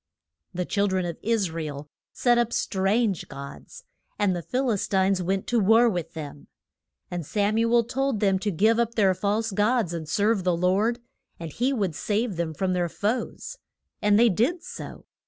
The chil dren of Is ra el set up strange gods, and the Phil is tines went to war with them. And Sam u el told them to give up their false gods and serve the Lord, and he would save them from their foes. And they did so.